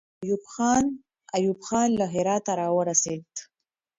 ایوب خان له هراته راورسېد.